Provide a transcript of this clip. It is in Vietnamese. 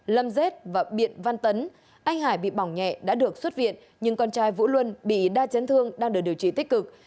lâm dết và biện văn tấn anh hải bị bỏng nhẹ đã được xuất viện nhưng con trai vũ luân bị đa chấn thương đang được điều trị tích cực